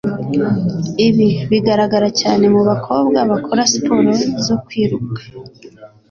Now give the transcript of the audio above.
Ibi bigaragara cyane mu bakobwa bakora siporo zo kwiruka.